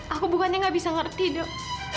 aku bukannya nggak bisa ngerti duk